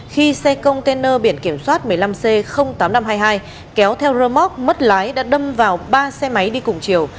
khi xe container biển kiểm soát một mươi năm c tám nghìn năm trăm hai mươi hai kéo theo rơ móc mất lái đã đâm vào ba xe máy đi cùng chiều